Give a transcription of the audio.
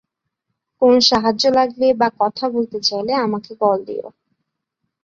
কোনো সাহায্য লাগলে বা কথা বলতে চাইলে আমাকে কল দিও।